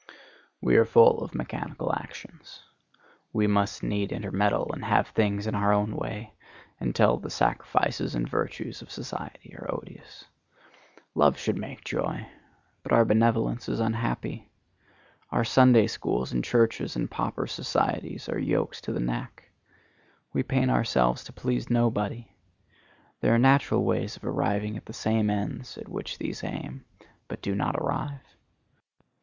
We are full of mechanical actions. We must needs intermeddle and have things in our own way, until the sacrifices and virtues of society are odious. Love should make joy; but our benevolence is unhappy. Our Sunday schools and churches and pauper societies are yokes to the neck. We pain ourselves to please nobody. There are natural ways of arriving at the same ends at which these aim, but do not arrive.